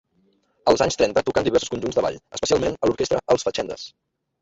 Als anys trenta tocà en diversos conjunts de ball, especialment a l'orquestra Els Fatxendes.